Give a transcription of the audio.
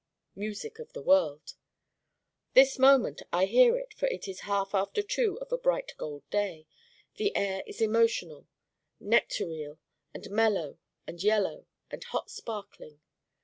Music of the world. This moment I hear it for it is half after two of a bright gold day. The air is emotional, nectareal, and mellow and yellow and hot sparkling.